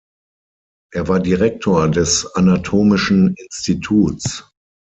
Er war Direktor des Anatomischen Instituts.